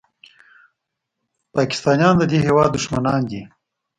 پاکستان او طالبان د دې هېواد دښمنان دي.